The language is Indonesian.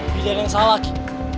pilihan yang salah lagi